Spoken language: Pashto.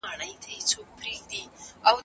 که څوک خپله ناحقي ومني.